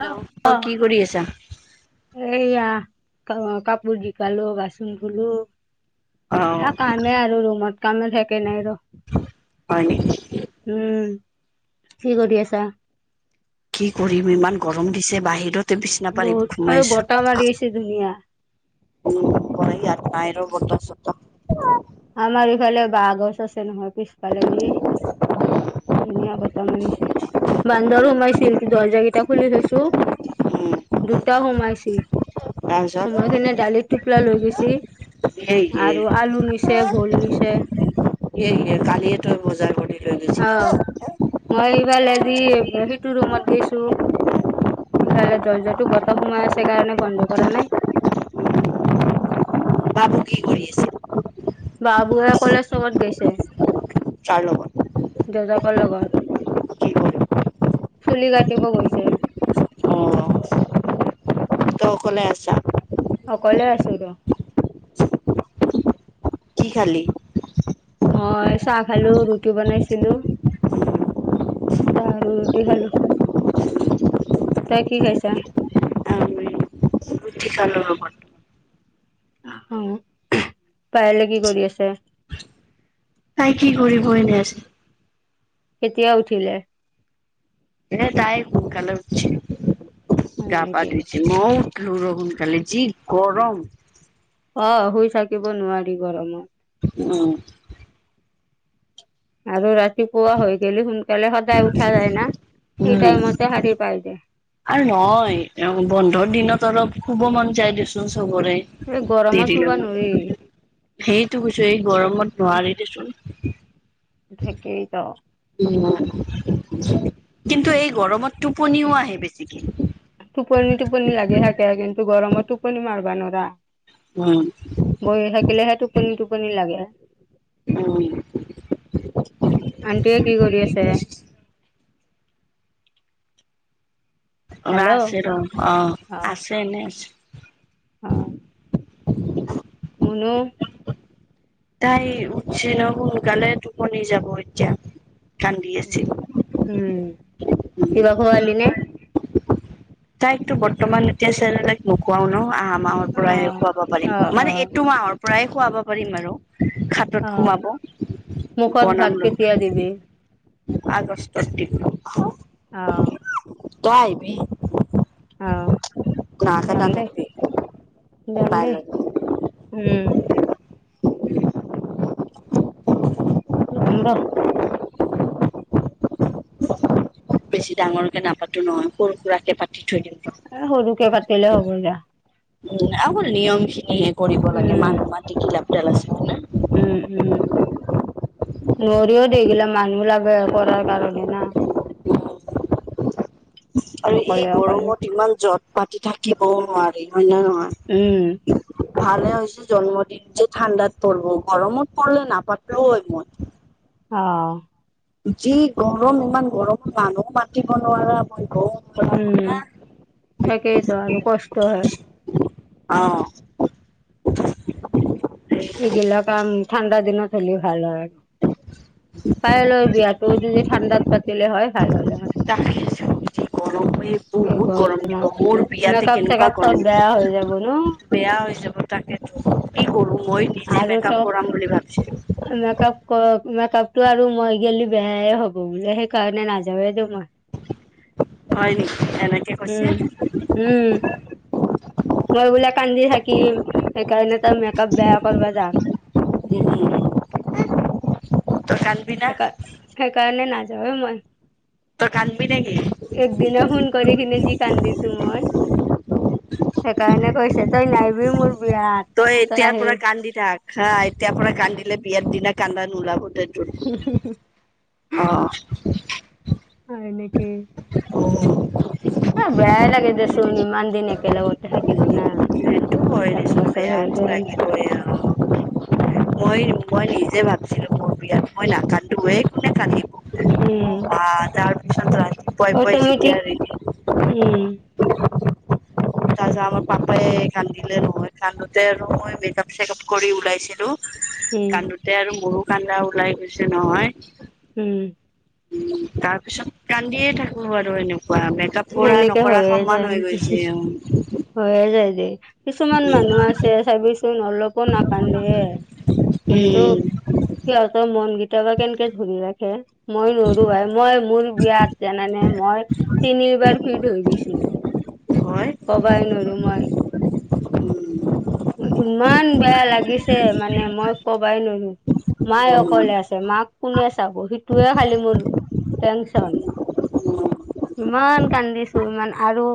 Hello অ' অহ কি কৰি আছা? সেয়া কাপোৰ জিকালো বাচন ধুলো সে [unintelligible] য়া অ' কামে আৰু ৰুমত কাম থাকে নাই ৰ হয় নেকি? উম কি কৰি আছা কি কৰিম ইমান গৰম দিছে বাহিৰত বিছনা পাৰি বহুত আৰু সোমাই বতাহ মাৰি আছো আছে ধুনীয়া উম [unintelligible] এই আঠ তাইৰ বতৰশত আমাৰ ইফালে বাহগছ আছে নহয় পিছফালে দি ধুনীয়া বতাহ মাৰিছে বান্দৰো সোমাইছিল দৰ্জা কেইটা খুলি থৈছো উম, দুটা সোমাইছিল তাৰপিছত সোমাই কিনে দালিত টোপোলা লৈ গৈছিল এই হে আৰু আলু নিচে ভুল নিচে এই হে কালিয়ে তই বজাৰ কৰি লৈ গৈছিলি। অহ মই এইবাৰ আজি সেইটো ৰুমত গৈছো সেফালে দৰজাটো বতাহ সোমাই আছে কাৰণে বন্ধ কৰা নাই [inaudible] বাবু কি কৰি আছে বাবু কলেজ লগত গৈছে ছাৰ লগত লগৰ লগত, কি কৰি চুলি কাটিব গৈছে। [inaudible] অ' [unintelligible] তই অকলে আছা অকলে আছো ৰ কি খালি মই চাহ খালো ৰুটি বনাইছিলোঁ। আৰু ৰুটি খালোঁ। তই কি কাৰিছো আমি ৰুটি খালোঁ লগত অহ পাযেলে কি কৰি আছে। তাই কি কৰিব ব এনেই আছে। কেতিয়া উঠিলে। এনেই তাই সোনকালে উঠিছে হয় গা পা নেকি ধুই মোও উঠিলো ৰ ‌সোনকালে যি গৰম। অহ শুই থাকিব নোৱাৰি গৰমত। উম আৰু ৰাতিপুৱা হৈ গেলি সোন সোনকলে সদায় উঠা যায় না উম, সেইটাই মতে সাৰি পাই দিয়ে। আৰু নহয় অহ বন্ধৰ দিনত অলপ শুব মন যায় দে চোন এই চবৰে গৰমত শুব দেৰিলৈ। নোৱাৰি সেইটো কৈছো এই গৰমত নোৱাৰি দেচোন। তাকে ক কিয় কিন্তু এই গৰমত টোপনিও আহে বেছিকে। টোপনি টোপনি লাগি থাকে কিন্তু গৰমত টোপনি মাৰবা নোৱাৰা উম বহি থাকিলেহে টোপনি টোপনি লাগে উম, আন্টিয়ে কি কৰি আছে। অহ হেল্ল' আছে অ ৰ অহ আছে এনেই আছে। অ [inaudible] মুনো তাই উঠছে ন সোনকালে টোপনি যাব এতিয়া। কান্দি উ আছিল। উম উম। কিবা খোৱলি নে। তাইকতো বৰ্তমান এতিয়া চ তাইক নোকোৱাও ন আহ। মাহৰ অ পৰাই খুৱাব অ পাৰিম অ মানে এইটো মাহৰ পৰাই খুৱাব পাৰিম। আৰু খাতত অ সোমাব মুখত ভাত বনাম কেতিয়া ৰ। দিবি আগষ্ট পাতিব। অ তই আহিবি আহ নাহাকে যাম দেই। নাথাকিবি যাম বাই দেই উম! উ এন্ত খুব বেছি ডাঙৰকে নাপাতো নহয় সৰু সুৰাকে পাতিম এই সৰকে পাতিলেও হ'ব যা। উম আককল নিয়ম খিনিয়ে কৰিব লাগে উম মানুহ মাটি কি লাপ দাল আছে। হয় না উম উম নৰিও দেগিলা মানুহ লাগে। কৰাৰ কাৰণে না আৰু এই অকলে অকলে গৰমত ইমান যট পাতি থাকিবও নোৱাৰি। হয় ন উম নহয়। ভালে হৈছে জন্মদিন যে ঠাণ্ডাত পৰব গৰমত পলে নাপাতলেও হয় মন অ যি গৰম ইমান গৰমত মানুহ মাতিব নোৱাৰে আই গম উম একেইতো আৰু কষ্ট হয়। আহ এইগিলাক কাম ঠাণ্ডা দিনত হ'লে ভাল হয়। পায়েলৰ বিয়াটো যদি ঠাণ্ডাত পাতিলে হয় ভাল হ'লে হয় ত গৰম হৈ এই বহুত গৰম গৰমত দিব মোৰ বিয়াতে মেকআপ কেনেকুৱা চেকআপ গৰম চব দিব। বেয়া হৈ যাব ন বেয়া হৈ যাব তাকেটো কি কৰো মই নিজে আৰু মেকআপ কৰাম বুলি ভাবিছিলো মেকআপ ক মেকপ তটো আৰু মই গেলো বেয়াই হ'ব বোলে সেইকাৰণে নাযাৱেই তো মই হয় নেকি? এনেকে কৈছে উম উম মই বোলাক কান্দি থাকিম সেইকাৰণে তাৰ মেকআপ বেয়া কৰিবা যাম। [unintelligible] [unintelligible] তই কান্দবি না সেইকাৰ সেইকাৰণে নাযাওঁ মই। তই কান্দবি নেকি একদিনা ফোন কৰি কিনে যি কান্দিছো মই সেইকাৰণে কৈছে তই নাইিব মোৰ বিয়াত তই এতিয়াৰ আহি পৰা কান্দি থাক হা, এতিয়াৰ পৰা কান্দিলে বিয়াৰ দিনা কান্দা নোওলাব। অ অ এনেকে অহ অ বেয়াই লাগে দেচোন ইমান দিন একেলগতে থাকিলো না একবছ বেয়াতো লাগিবই অ মই মই নিজে ভাব ছিলো মোৰ বিয়াত মই নাকান্দো কোনে কান্দিব অ উম তাৰ পিছত উপাই পাই যেতিয়া অটমেটিক উম তাৰাছ আমাৰ পাপাই কান্দিলে নহয়। কান্দোতে আৰু মই মেকপ চেকপ কৰি ওলাইছিলো উম কান্দোতে আৰু মোৰ কান্দা ওলাই গৈছে নহয়। উম তাৰ পিছত কান্দিয়ে থাকো আৰু এনেকুৱা মেকআপ কৰা সেনেকে নকৰা সমান হৈ গৈছে হয়য়ে যায় দেই কিছুমান মানুহ আছে চাবি অলপো নাকান্দে কিন্তু সিহঁতৰ মন গ কেতিয়া বা কেনেকে ধুৰি ৰাখে মই নৰো ভাই মই মোৰ বিয়াত জানানে মই এইবাৰ ফিড হৈ গৈছিলো। হয় কবাইন নৰো মই উম ইমান বেয়া লাগিছে মানে মই কবাই নোৱাৰো। মায়ে উম অকলে আছে মাক কোনে চাব সিটোৱে খালি মোৰ টেনচন। [unintelligible] ইমান কান্দিছো ইমান আৰু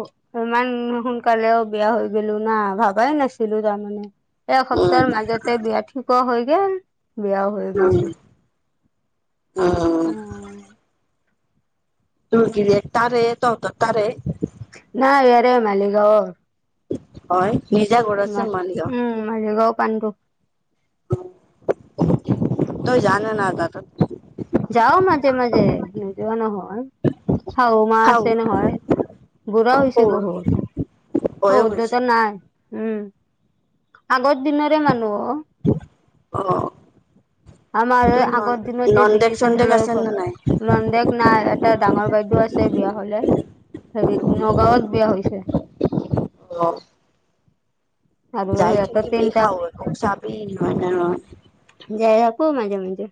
ইমান সোনকালেও বিয়া হৈ গলো না ভাবাই নাছিলো। ছিলো তাৰমানে উম এসপ্তাহৰ মাজতে বিয়া ঠিকো হৈ গল বিয়াও হৈ গৈছো। উম তোৰ গিৰিয়েক তাৰে তহঁতৰ তাৰে ৰে মালিগ হয় নিজা ঘৰ আছে মালিগাঁও। পন্ত। ত জা‌ নে নাজা তাত। যও মাজে মাজে ন যোৱা ন হয়য়, হওা খাও আছে নহয়। বুঢ়া হৈ হৈছে সৰু বহুত, বয়স শদত হৈছে নাই। উম আগ। দিনৰে মানুহ ও অ আমাৰ তোৰ ন আগৰ দিন যে। নন্দেক চেডৰ চন্দেক আছে ঘৰ, নে নাই লডেক নাই এটা ডাঙৰ বাইদেউ আছে বিয়া হলে। হেৰিত নগাঁৱত বিয়া হৈছে। অ। আৰু যাই সিহঁতৰ থাকিবি তিনটা খাও খব চাপেই হয় ন ন। স মাজে মজে।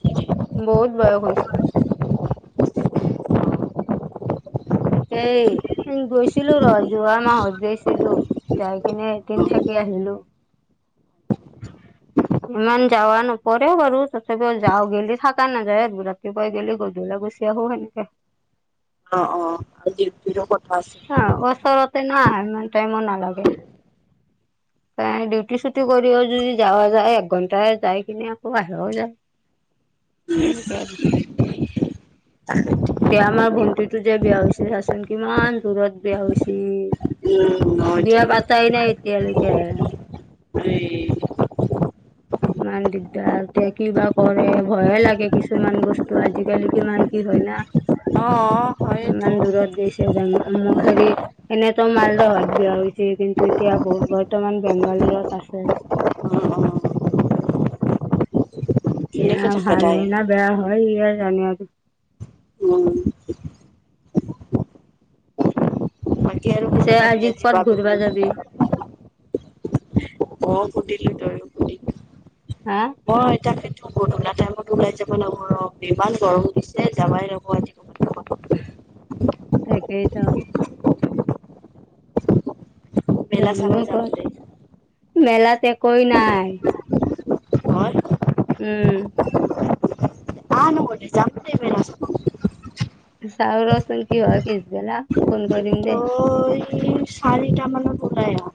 হৈছে বহুত বয়স হৈছে। তাকে গৈছিলো ৰজ। যোৱা মাহত গৈছিলো যাই কিনে এদিন থাকি আহিলো। উ। ইমান যাৱা নপৰে বাৰু তথাপিও যাও গেলি থাকা নাযায় ৰাতিপুৱাই গেলি গধূলি। গুচীয়া আহনেকে। অ অ আৰু ডিউটিৰো কথা আছে অ ওচৰতে ন মমান টাইমো নালাগে। তাই ডিউটি চুতি কৰি আ। যদি যোৱা যায় একঘন্টাই যাই কিনে আকৌ বাহিৰও যায়। এনেকৈ আৰু। এতিয়া আমাৰ ভন্টিটো যে বিয়া হৈছে চাচোন কিমান দূৰত বিয়া উম হৈছিল। হয় দে বিয়া পাচাই নাই এতিয়ালৈকে। উ। [unintelligible] ইমান দিগদাৰ এতিয়া কিবা কৰে ভয়ে লাগে কিছুমান বস্তু আজিকালি কিমান কি হয় না। অ হয়তো ইমান দূৰৰত বছ। যে জাং হেৰি, এনেতো মালদহত বিয়া হৈছে কিন্তু এতিয়া বৰ্তমান বেংগল। ত আছে। অ অ এ কেনেকে থাকে ভাল তাই হয় ন বেয়া হয় ইয় জানে আৰু। উম বাকী আৰু ক'ত পিছে যাবি আজি ক'ত অ ঘূৰিবা কুট। যাবি মই হা এতি। গধূলা টাইমত ওলাই যাব লাগিব ৰ ইমান গৰম দিছে যাবাই লাগব আজি। ক'ৰবাত। তাকেই তো। মেলা যাম ন চাব ক দে মেলেলা তে একোয়ে নাই। নহয় উম। ৰা। চাহ ৰচোন কি হয় পিছ বেলা ফোন কৰিম দে। তই চাৰিটা মানত ওলাই আহ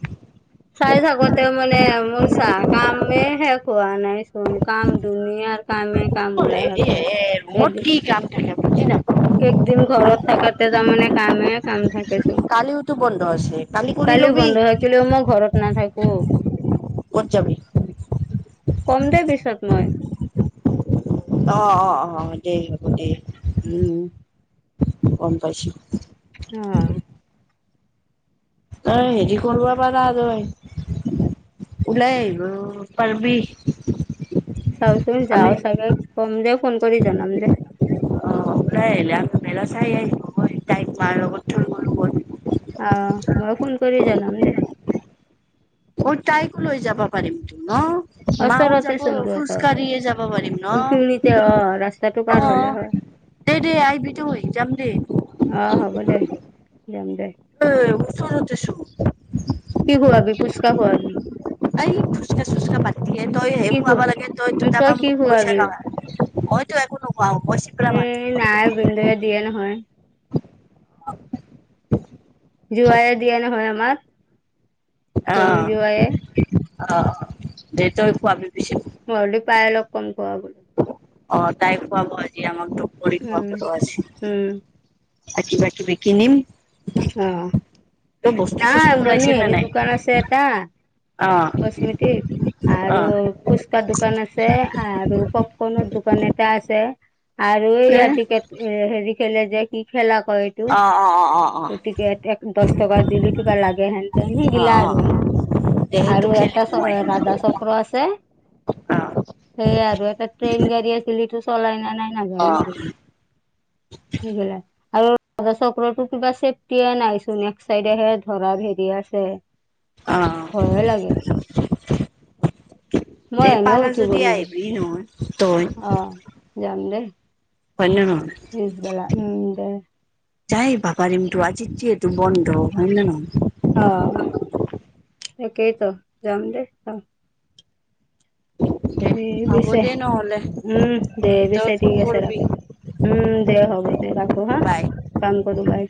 চাই থাকোতে মানে মোৰ চাহ কামে শেষ হোৱা নাই চোন কাম ধুনীয়া। কাৰ কামে কাম তোৰ ওলাই হেৰি এ থাকে, ৰুমত সেইদ। কি কাম থাকে বুজি নাপাওঁ একদিন ঘৰত থকাতে তাৰমানে কামে কাম থাকেচোন। কালিওতো বন্ধ আছে কৰি কালি লবি বন্ধ থাকিলেও মই ঘৰত নাথাকো। ক'ত যাবি কম দে পিছত মই। অ অ অ অ দেই হ। উম। গম পাইছো। অ। অ হেৰি কৰিব পাৰা তই। উলাইব আহিব পাৰবি। চাওচোন যাও চাগে কম দে ফোন কৰি জনাম দে। সবাই আহিল আলা চাই আহিব তাইক মাৰ লগত থ। আহ মই ফোন কৰি জনাম দেহ। মই তাইকো লৈ যাব পাৰিম তো ন। মাও ওচৰতে যাব চোন খোজ তহঁতৰ কাঢ়ি যাব পাৰিম খিৰিতে অ ৰাস্তাটো পাৰ ন অ। হলে হয় দেই দেই আহিবিই তুই যাম দেই। জাম দেহ। উ ওচৰতেছো কি খুৱাবি পুচকা খুৱাবি। এই ফোচকা চোচকা পাতিহে তই সেই কি খুৱাব খোৱা লাগে তই দুটামান কি মোক পইচা খোৱাবি কাৱ। হয়তো একো। নোখোৱাও মই চিপৰা উ মানুহ নাইবিন্দয়ে দিয়ে নহয়। অ জোৱাইে দিয়া নহয় আমাক অ ভনি জোৱাইে? অ দে ত খোৱমি পিছত। নদী পায় লগ ফোন কোৱাব। অ তাই খোৱাব আজি আমাক দুপী উম খোৱাপো আছে। উম তাত কিবা কিবি কিনিম। অ তই বস্তু নাই চস্তু মন ওলাইছে নে হেৰি নাই দোকান আছে এটা। অ', কশ্মিতিক আৰু অ', পুচকাৰ দোকান আছে আৰু পপকৰ্নৰ দোকান। নেতা আছে আৰু দে এইতি হেৰি খেলে যে কি খেলা। কয় এইটো অ অ অ অ অ। এক গতিকে দহ টকা দিলে কিবা লাগে হেনতে অ', সেগিলা অ', আৰু। দে আৰু সেইটো এটা খেলিম মই ৰাধা চক্ৰ আছে। অ', সেইয়া আৰু এটা ট্ৰেইন গাড়ী আছিল। ন নাই নাজানো আৰু সেই গিলা। আৰু ৰা চক্ৰতো কিবা চেফটিয়ে নাইচোন এক্ চাইডেহে ধৰা হেৰি আছে। অ', ভয়হে লাগে। মই তে এনেও পালা উঠিব যদি নোৱাৰো আহিবি নহয়। তই অ যাম দেই। হয় নে নহয়। পিচ বেলা উম দে। যাই বাপাৰ ইম তটো আজিত যে তটো বন্ধ হয় নে নহয়। আহ তাকেইতো যাম দেই। দে হ'ব পিছে দে নহ'লে উম দে তই পিছে ফোন ঠিক আছে কৰিবি ৰাখো। উম দে হ'ব দে ৰাখো হা বাই। কাম কৰো বাই।